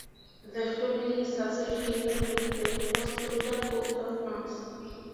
The family is associated with the Ostoja Coat of Arms.